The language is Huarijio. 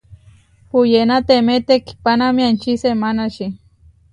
Puyénatemé tekihpánamia enčí semánači.